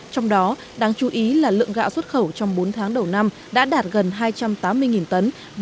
trong đó đáng chú ý là lượng gạo xuất khẩu trong bốn tháng đầu năm đã đạt gần hai trăm tám mươi tấn